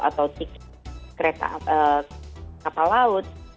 atau tiket kapal laut